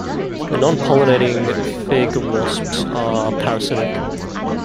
The nonpollinating fig wasps are parasitic.